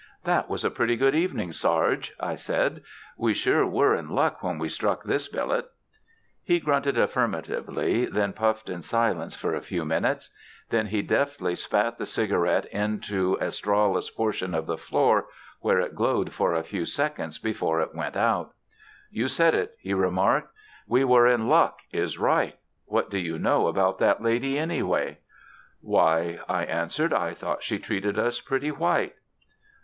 "That was a pretty good evening, Sarge," I said. "We sure were in luck when we struck this billet." He grunted affirmatively, then puffed in silence for a few minutes. Then he deftly spat the cigarette into a strawless portion of the floor, where it glowed for a few seconds before it went out. "You said it," he remarked. "We were in luck is right. What do you know about that lady, anyway?" "Why," I answered, "I thought she treated us pretty white."